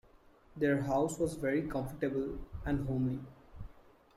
Their house was very comfortable and homely